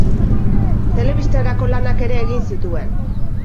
Telebistarako lanak ere egin zituen.